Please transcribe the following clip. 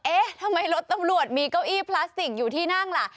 เอ๊ะทำไมรถตำรวจมีเก้าอี้พลาสติกอยู่ที่นั่งล่ะ